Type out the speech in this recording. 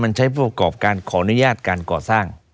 มันใช้ผู้ประกอบการขออนุญาตการก่อสร้าง